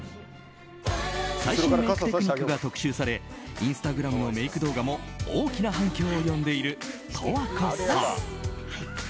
最新メイクテクニックが特集されインスタグラムのメイク動画も大きな反響を呼んでいる十和子さん。